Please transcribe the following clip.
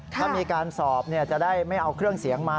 ถ้ามีการสอบจะได้ไม่เอาเครื่องเสียงมา